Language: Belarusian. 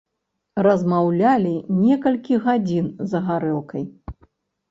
Размаўлялі некалькі гадзін за гарэлкай.